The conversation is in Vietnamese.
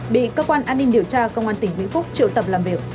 bị cơ quan an ninh điều tra công an tỉnh vĩnh phúc triệu tập làm việc